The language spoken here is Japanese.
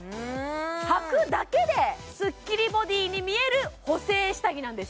はくだけでスッキリボディーに見える補整下着なんです